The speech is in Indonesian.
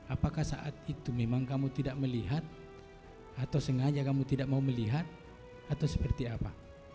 apakah saat itu memang kamu tidak melihat atau sengaja kamu tidak mau melihat atau seperti apa